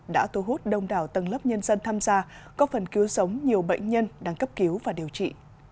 đã thu hút đông đảo tầng lớp nhân dân tham gia có phần cứu sống nhiều bệnh nhân đang cấp cứu và điều trị